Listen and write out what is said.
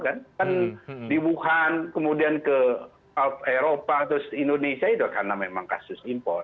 kan di wuhan kemudian ke eropa terus indonesia itu karena memang kasus impor